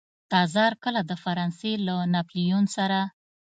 تزار کله د فرانسې له ناپلیون سره.